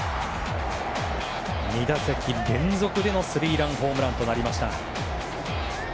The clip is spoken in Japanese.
２打席連続でのスリーランホームランとなりました。